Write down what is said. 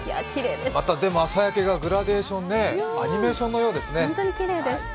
朝焼けがグラデーション、アニメーションのようですね。